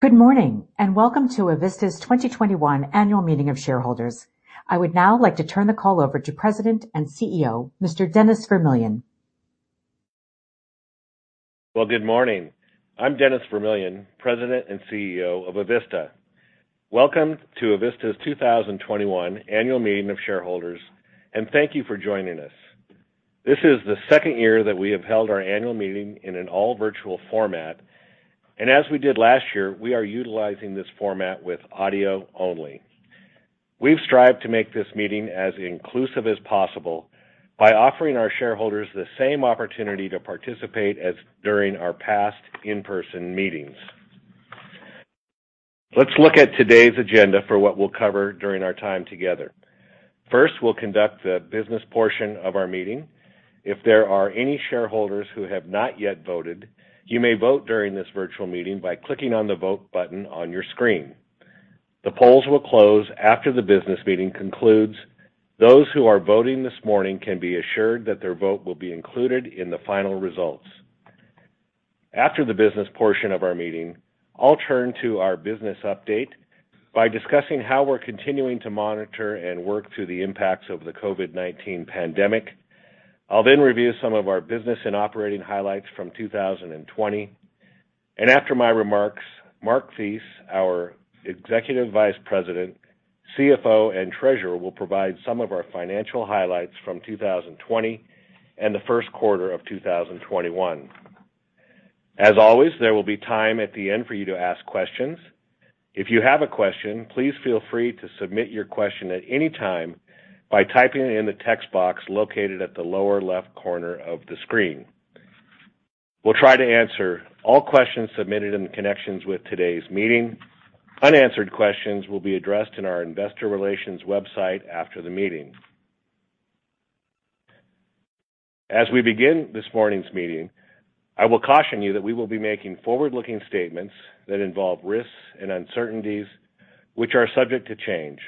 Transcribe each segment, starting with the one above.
Good morning, and welcome to Avista's 2021 annual meeting of shareholders. I would now like to turn the call over to President and CEO, Mr. Dennis Vermillion. Good morning. I'm Dennis Vermillion, President and CEO of Avista. Welcome to Avista's 2021 Annual Meeting of Shareholders. Thank you for joining us. This is the second year that we have held our annual meeting in an all virtual format. As we did last year, we are utilizing this format with audio only. We've strived to make this meeting as inclusive as possible by offering our shareholders the same opportunity to participate as during our past in-person meetings. Let's look at today's agenda for what we'll cover during our time together. First, we'll conduct the business portion of our meeting. If there are any shareholders who have not yet voted, you may vote during this virtual meeting by clicking on the vote button on your screen. The polls will close after the business meeting concludes. Those who are voting this morning can be assured that their vote will be included in the final results. After the business portion of our meeting, I'll turn to our business update by discussing how we're continuing to monitor and work through the impacts of the COVID-19 pandemic. I'll then review some of our business and operating highlights from 2020. After my remarks, Mark Thies, our Executive Vice President, CFO, and Treasurer, will provide some of our financial highlights from 2020 and the first quarter of 2021. As always, there will be time at the end for you to ask questions. If you have a question, please feel free to submit your question at any time by typing it in the text box located at the lower left corner of the screen. We'll try to answer all questions submitted in connections with today's meeting. Unanswered questions will be addressed in our investor relations website after the meeting. As we begin this morning's meeting, I will caution you that we will be making forward-looking statements that involve risks and uncertainties which are subject to change.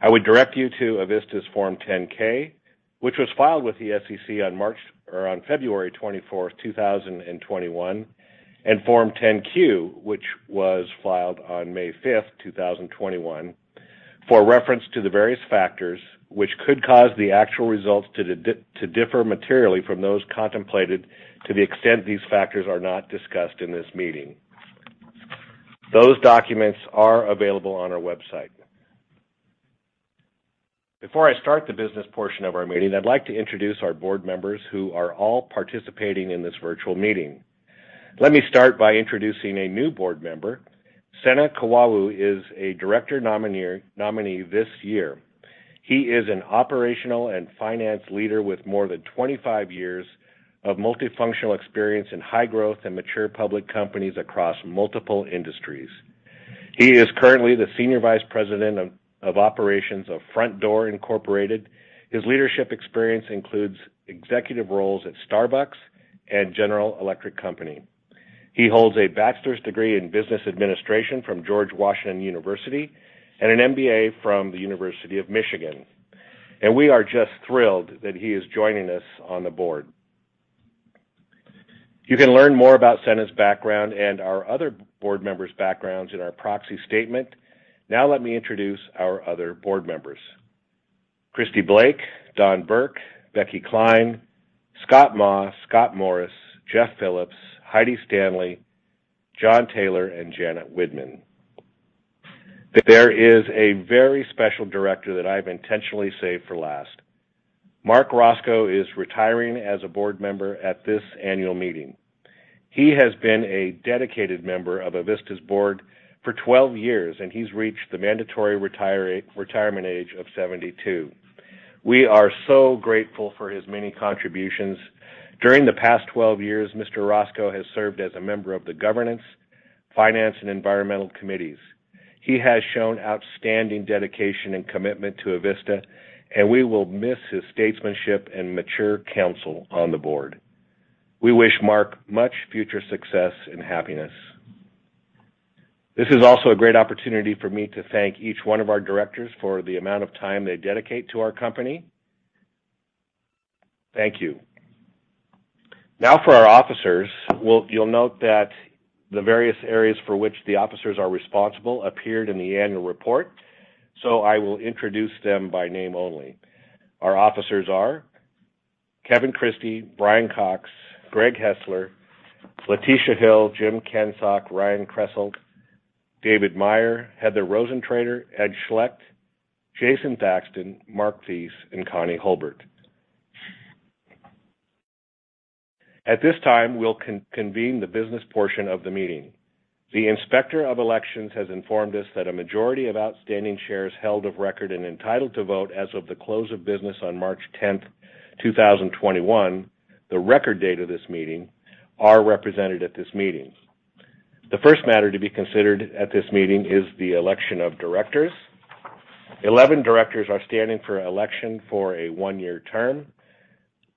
I would direct you to Avista's Form 10-K, which was filed with the SEC on February 24th, 2021, and Form 10-Q, which was filed on May 5th, 2021, for reference to the various factors which could cause the actual results to differ materially from those contemplated to the extent these factors are not discussed in this meeting. Those documents are available on our website. Before I start the business portion of our meeting, I'd like to introduce our board members who are all participating in this virtual meeting. Let me start by introducing a new board member. Sena Kwawu is a director nominee this year. He is an operational and finance leader with more than 25 years of multifunctional experience in high growth and mature public companies across multiple industries. He is currently the Senior Vice President of Operations of Frontdoor, Inc. His leadership experience includes executive roles at Starbucks and General Electric Company. He holds a bachelor's degree in business administration from George Washington University and an MBA from the University of Michigan. We are just thrilled that he is joining us on the board. You can learn more about Sena Kwawu's background and our other board members' backgrounds in our proxy statement. Now let me introduce our other board members. Kristi Blake, Don Burke, Rebecca Klein, Scott Maw, Scott Morris, Jeff Philipps, Heidi Stanley, John Taylor, and Janet Widmann. There is a very special Director that I've intentionally saved for last. Marc Racicot is retiring as a board member at this annual meeting. He has been a dedicated member of Avista's board for 12 years, and he's reached the mandatory retirement age of 72. We are so grateful for his many contributions. During the past 12 years, Mr. Racicot has served as a member of the governance, finance, and environmental committees. He has shown outstanding dedication and commitment to Avista, and we will miss his statesmanship and mature counsel on the board. We wish Marc much future success and happiness. This is also a great opportunity for me to thank each one of our directors for the amount of time they dedicate to our company. Thank you. Now for our officers. You'll note that the various areas for which the officers are responsible appeared in the annual report, so I will introduce them by name only. Our officers are Kevin Christie, Bryan Cox, Gregory Hesler, Latisha Hill, Jim Kensok, Ryan Krasselt, David Meyer, Heather Rosentrater, Ed Schlect, Jason Thackston, Mark Thies, and Connie Hulbert. At this time, we'll convene the business portion of the meeting. The Inspector of Elections has informed us that a majority of outstanding shares held of record and entitled to vote as of the close of business on March 10th, 2021, the record date of this meeting, are represented at this meeting. The first matter to be considered at this meeting is the election of directors. 11 directors are standing for election for a one-year term.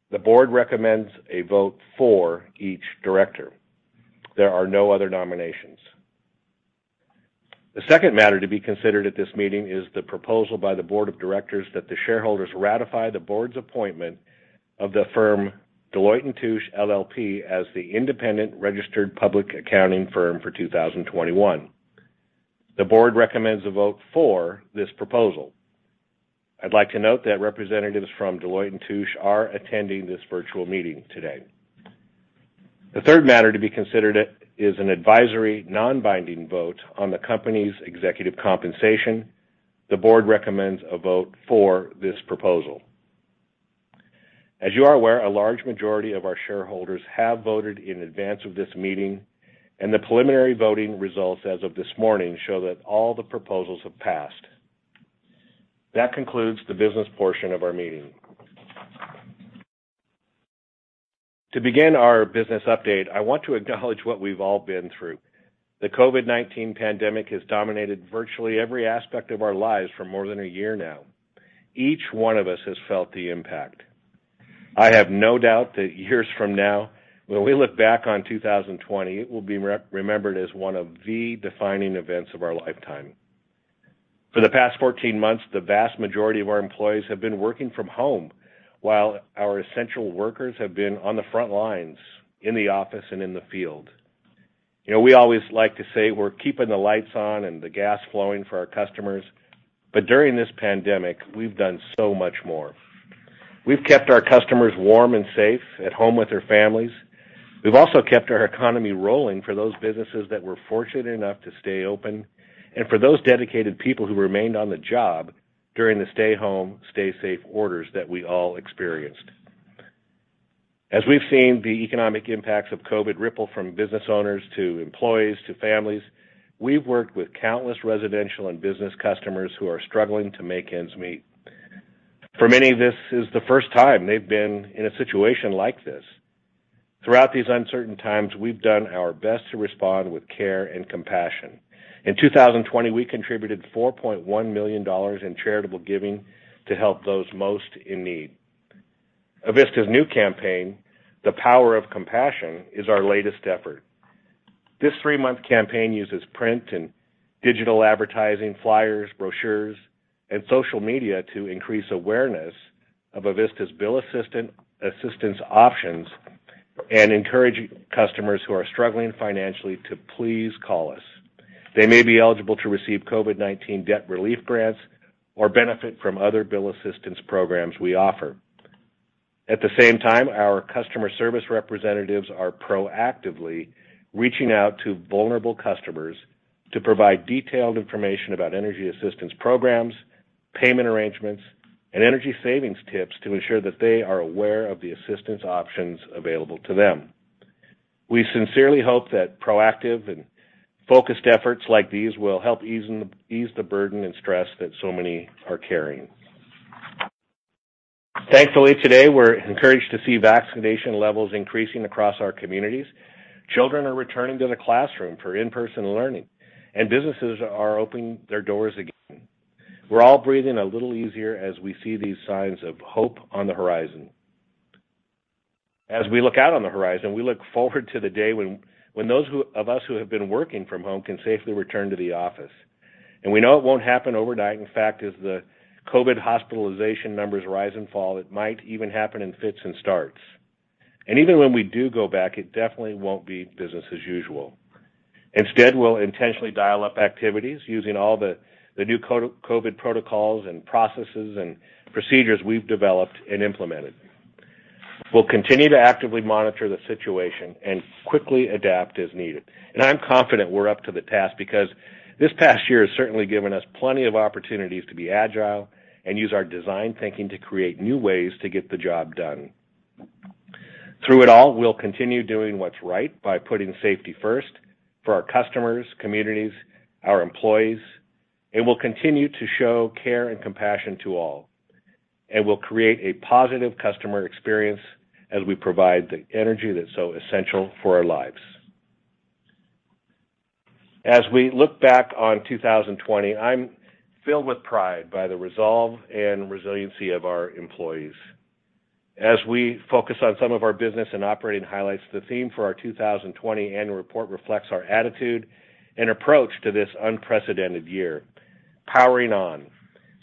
The board recommends a vote for each director. There are no other nominations. The second matter to be considered at this meeting is the proposal by the board of directors that the shareholders ratify the board's appointment of the firm Deloitte & Touche LLP as the independent registered public accounting firm for 2021. The board recommends a vote for this proposal. I'd like to note that representatives from Deloitte & Touche are attending this virtual meeting today. The third matter to be considered is an advisory, non-binding vote on the company's executive compensation. The board recommends a vote for this proposal. As you are aware, a large majority of our shareholders have voted in advance of this meeting, and the preliminary voting results as of this morning show that all the proposals have passed. That concludes the business portion of our meeting. To begin our business update, I want to acknowledge what we've all been through. The COVID-19 pandemic has dominated virtually every aspect of our lives for more than a year now. Each one of us has felt the impact. I have no doubt that years from now, when we look back on 2020, it will be remembered as one of the defining events of our lifetime. For the past 14 months, the vast majority of our employees have been working from home, while our essential workers have been on the front lines, in the office, and in the field. We always like to say we're keeping the lights on and the gas flowing for our customers. During this pandemic, we've done so much more. We've kept our customers warm and safe at home with their families. We've also kept our economy rolling for those businesses that were fortunate enough to stay open, and for those dedicated people who remained on the job during the stay home, stay safe orders that we all experienced. As we've seen the economic impacts of COVID ripple from business owners to employees to families, we've worked with countless residential and business customers who are struggling to make ends meet. For many, this is the first time they've been in a situation like this. Throughout these uncertain times, we've done our best to respond with care and compassion. In 2020, we contributed $4.1 million in charitable giving to help those most in need. Avista's new campaign, The Power of Compassion, is our latest effort. This three-month campaign uses print and digital advertising, flyers, brochures, and social media to increase awareness of Avista's bill assistance options and encourage customers who are struggling financially to please call us. They may be eligible to receive COVID-19 debt-relief grants or benefit from other bill assistance programs we offer. At the same time, our customer service representatives are proactively reaching out to vulnerable customers to provide detailed information about energy assistance programs, payment arrangements, and energy savings tips to ensure that they are aware of the assistance options available to them. We sincerely hope that proactive and focused efforts like these will help ease the burden and stress that so many are carrying. Thankfully, today, we're encouraged to see vaccination levels increasing across our communities. Children are returning to the classroom for in-person learning, and businesses are opening their doors again. We're all breathing a little easier as we see these signs of hope on the horizon. As we look out on the horizon, we look forward to the day when those of us who have been working from home can safely return to the office. We know it won't happen overnight. In fact, as the COVID hospitalization numbers rise and fall, it might even happen in fits and starts. Even when we do go back, it definitely won't be business as usual. Instead, we'll intentionally dial up activities using all the new COVID protocols and processes and procedures we've developed and implemented. We'll continue to actively monitor the situation and quickly adapt as needed. I'm confident we're up to the task because this past year has certainly given us plenty of opportunities to be agile and use our design thinking to create new ways to get the job done. Through it all, we'll continue doing what's right by putting safety first for our customers, communities, our employees, and we'll continue to show care and compassion to all, and we'll create a positive customer experience as we provide the energy that's so essential for our lives. As we look back on 2020, I'm filled with pride by the resolve and resiliency of our employees. As we focus on some of our business and operating highlights, the theme for our 2020 annual report reflects our attitude and approach to this unprecedented year. Powering On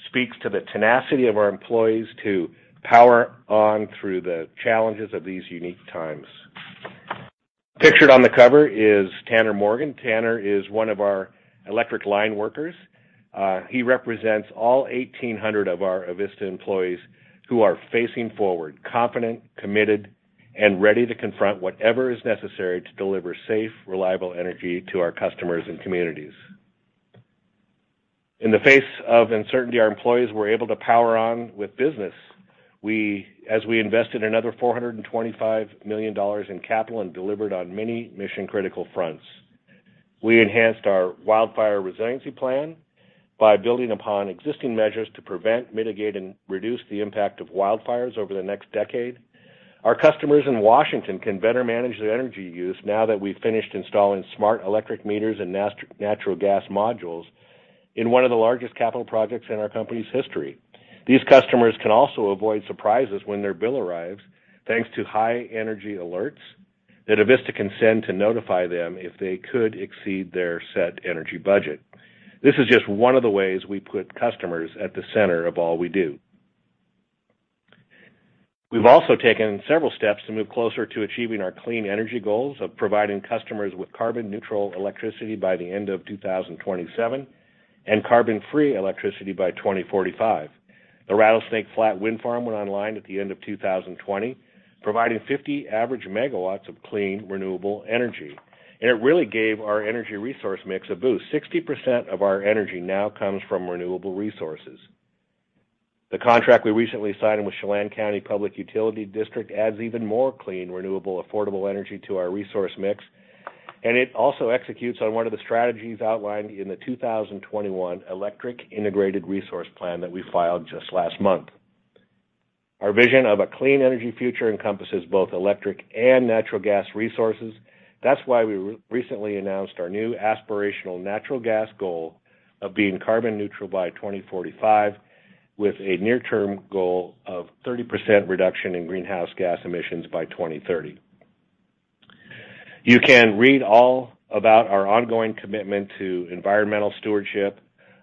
speaks to the tenacity of our employees to power on through the challenges of these unique times. Pictured on the cover is Tanner Morgan. Tanner is one of our electric line workers. He represents all 1,800 of our Avista employees who are facing forward, confident, committed, and ready to confront whatever is necessary to deliver safe, reliable energy to our customers and communities. In the face of uncertainty, our employees were able to power on with business as we invested another $425 million in capital and delivered on many mission-critical fronts. We enhanced our wildfire resiliency plan by building upon existing measures to prevent, mitigate, and reduce the impact of wildfires over the next decade. Our customers in Washington can better manage their energy use now that we've finished installing smart electric meters and natural gas modules. In one of the largest capital projects in our company's history. These customers can also avoid surprises when their bill arrives thanks to high energy alerts that Avista can send to notify them if they could exceed their set energy budget. This is just one of the ways we put customers at the center of all we do. We've also taken several steps to move closer to achieving our clean energy goals of providing customers with carbon neutral electricity by the end of 2027 and carbon-free electricity by 2045. The Rattlesnake Flat Wind Farm went online at the end of 2020, providing 50 average MW of clean, renewable energy, and it really gave our energy resource mix a boost. 60% of our energy now comes from renewable resources. The contract we recently signed with Chelan County Public Utility District adds even more clean, renewable, affordable energy to our resource mix, and it also executes on one of the strategies outlined in the 2021 Electric Integrated Resource Plan that we filed just last month. Our vision of a clean energy future encompasses both electric and natural gas resources. That's why we recently announced our new aspirational natural gas goal of being carbon neutral by 2045 with a near-term goal of 30% reduction in greenhouse gas emissions by 2030. You can read all about our ongoing commitment to environmental stewardship,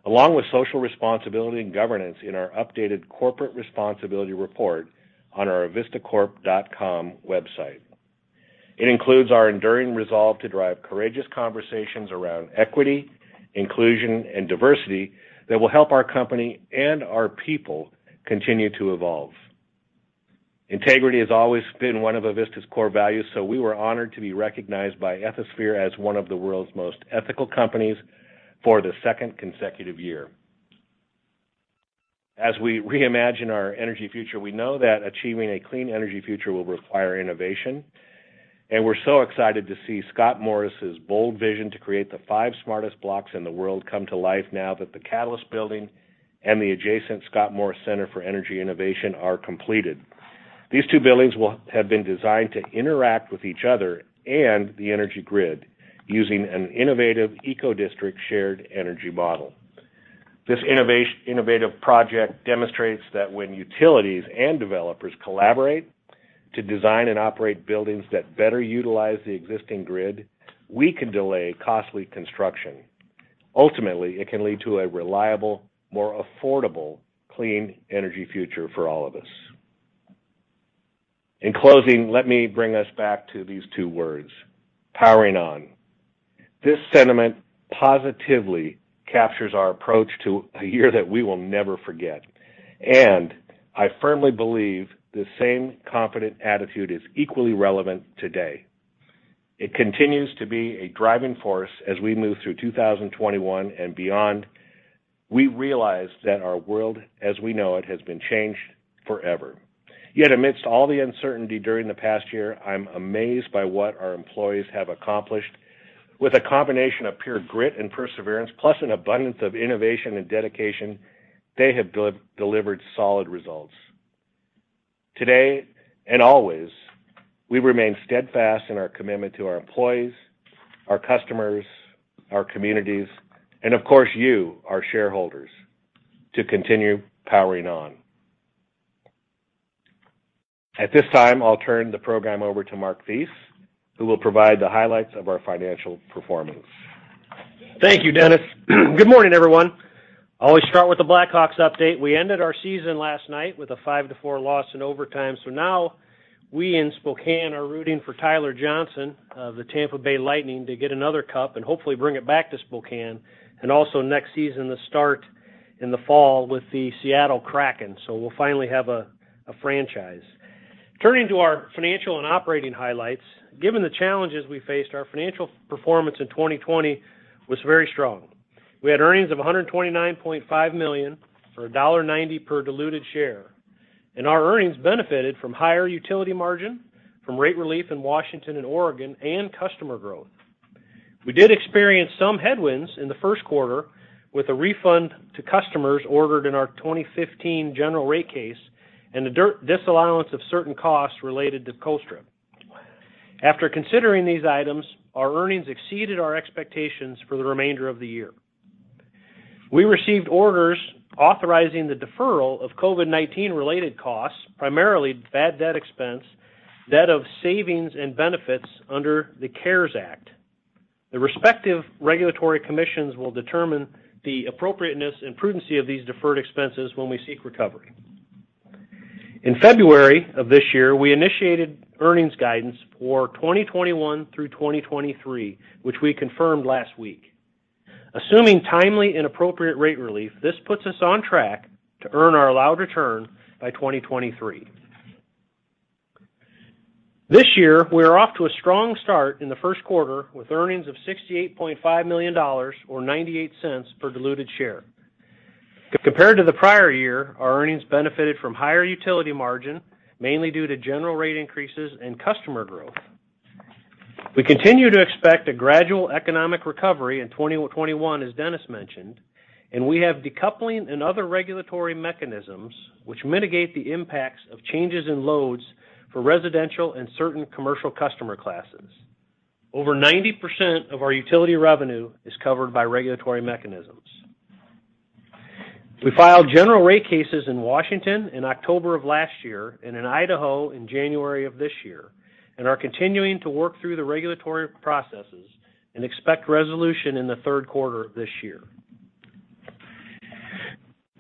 along with social responsibility and governance in our updated corporate responsibility report on our avistacorp.com website. It includes our enduring resolve to drive courageous conversations around equity, inclusion, and diversity that will help our company and our people continue to evolve. Integrity has always been one of Avista's core values, so we were honored to be recognized by Ethisphere as one of the world's most ethical companies for the second consecutive year. As we reimagine our energy future, we know that achieving a clean energy future will require innovation, and we're so excited to see Scott Morris' bold vision to create the five smartest blocks in the world come to life now that the Catalyst building and the adjacent Scott Morris Center for Energy Innovation are completed. These two buildings have been designed to interact with each other and the energy grid using an innovative eco-district shared energy model. This innovative project demonstrates that when utilities and developers collaborate to design and operate buildings that better utilize the existing grid, we can delay costly construction. Ultimately, it can lead to a reliable, more affordable, clean energy future for all of us. In closing, let me bring us back to these two words, powering on. This sentiment positively captures our approach to a year that we will never forget. I firmly believe the same confident attitude is equally relevant today. It continues to be a driving force as we move through 2021 and beyond. We realize that our world as we know it has been changed forever. Yet amidst all the uncertainty during the past year, I'm amazed by what our employees have accomplished. With a combination of pure grit and perseverance, plus an abundance of innovation and dedication, they have delivered solid results. Today and always, we remain steadfast in our commitment to our employees, our customers, our communities, and of course you, our shareholders, to continue powering on. At this time, I'll turn the program over to Mark Thies, who will provide the highlights of our financial performance. Thank you, Dennis. Good morning, everyone. Always start with the Chicago Blackhawks update. We ended our season last night with a five to four loss in overtime. Now we in Spokane are rooting for Tyler Johnson of the Tampa Bay Lightning to get another cup and hopefully bring it back to Spokane. Also next season, the start in the fall with the Seattle Kraken. We'll finally have a franchise. Turning to our financial and operating highlights, given the challenges we faced, our financial performance in 2020 was very strong. We had earnings of $129.5 million or $1.90 per diluted share, and our earnings benefited from higher utility margin from rate relief in Washington and Oregon and customer growth. We did experience some headwinds in the first quarter with a refund to customers ordered in our 2015 general rate case and the disallowance of certain costs related to Colstrip. After considering these items, our earnings exceeded our expectations for the remainder of the year. We received orders authorizing the deferral of COVID-19-related costs, primarily bad debt expense, debt of savings and benefits under the CARES Act. The respective regulatory commissions will determine the appropriateness and prudency of these deferred expenses when we seek recovery. In February of this year, we initiated earnings guidance for 2021 through 2023, which we confirmed last week. Assuming timely and appropriate rate relief, this puts us on track to earn our allowed return by 2023. This year, we are off to a strong start in the first quarter with earnings of $68.5 million or $0.98 per diluted share. Compared to the prior year, our earnings benefited from higher utility margin, mainly due to general rate increases and customer growth. We continue to expect a gradual economic recovery in 2021, as Dennis mentioned, and we have decoupling and other regulatory mechanisms which mitigate the impacts of changes in loads for residential and certain commercial customer classes. Over 90% of our utility revenue is covered by regulatory mechanisms. We filed general rate cases in Washington in October of last year and in Idaho in January of this year, and are continuing to work through the regulatory processes and expect resolution in the third quarter of this year.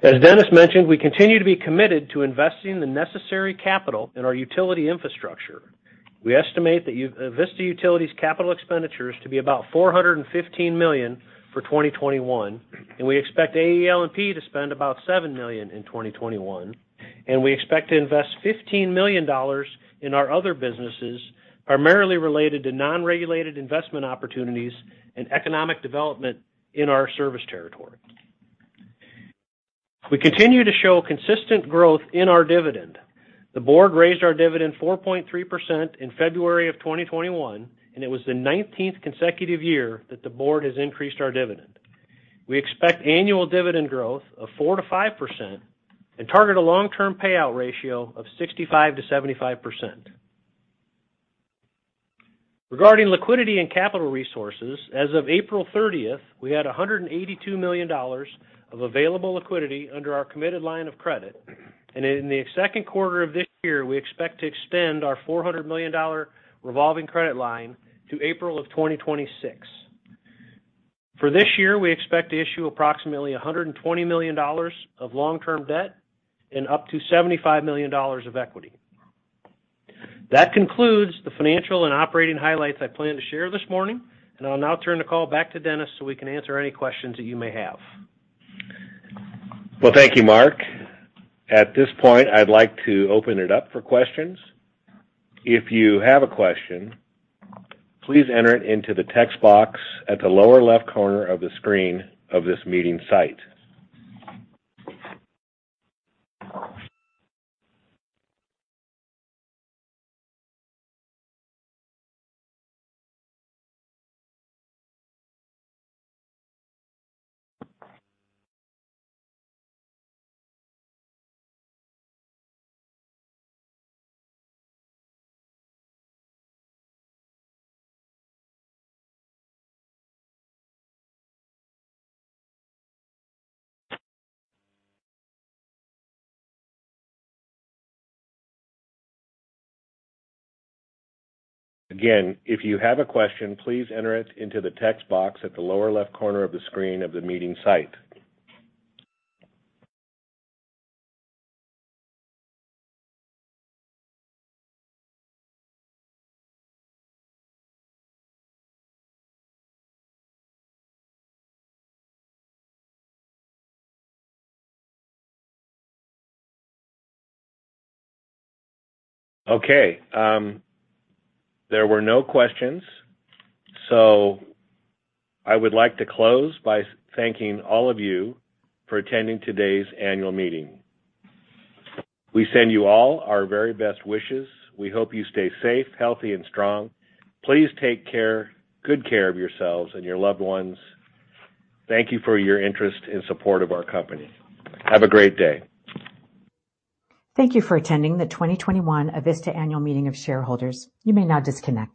As Dennis mentioned, we continue to be committed to investing the necessary capital in our utility infrastructure. We estimate the Avista Utilities capital expenditures to be about $415 million for 2021, and we expect AEL&P to spend about $7 million in 2021. We expect to invest $15 million in our other businesses, primarily related to non-regulated investment opportunities and economic development in our service territory. We continue to show consistent growth in our dividend. The board raised our dividend 4.3% in February of 2021, and it was the 19th consecutive year that the board has increased our dividend. We expect annual dividend growth of 4%-5% and target a long-term payout ratio of 65%-75%. Regarding liquidity and capital resources, as of April 30th, we had $182 million of available liquidity under our committed line of credit. In the second quarter of this year, we expect to extend our $400 million revolving credit line to April of 2026. For this year, we expect to issue approximately $120 million of long-term debt and up to $75 million of equity. That concludes the financial and operating highlights I planned to share this morning. I'll now turn the call back to Dennis so we can answer any questions that you may have. Thank you, Mark. At this point, I'd like to open it up for questions. If you have a question, please enter it into the text box at the lower left corner of the screen of this meeting site. Again, if you have a question, please enter it into the text box at the lower left corner of the screen of the meeting site. Okay. There were no questions. I would like to close by thanking all of you for attending today's annual meeting. We send you all our very best wishes. We hope you stay safe, healthy, and strong. Please take care, good care of yourselves and your loved ones. Thank you for your interest and support of our company. Have a great day. Thank you for attending the 2021 Avista annual meeting of shareholders. You may now disconnect.